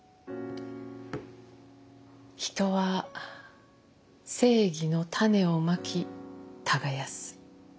人は正義の種をまき耕す。